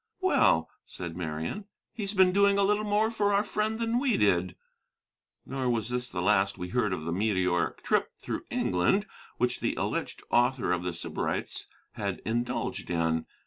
"Well," said Marian, "he's been doing a little more for our friend than we did." Nor was this the last we heard of that meteoric trip through England, which the alleged author of The Sybarites had indulged in.